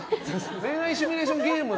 恋愛シミュレーションゲームの。